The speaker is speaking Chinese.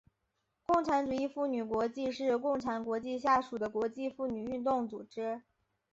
共产主义妇女国际是共产国际下属的国际妇女运动组织。